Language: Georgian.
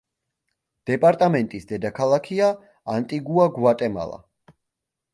დეპარტამენტის დედაქალაქია ანტიგუა-გვატემალა.